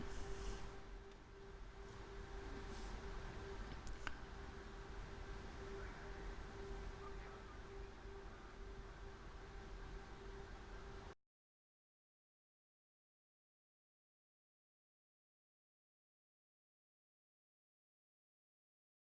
kepala bps soeharyanto menyatakan defisit akibat nilai impor mei dua ribu delapan belas